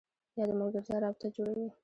یا د ملګرتیا رابطه جوړوي